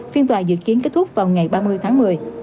phiên tòa dự kiến kết thúc vào ngày ba mươi tháng một mươi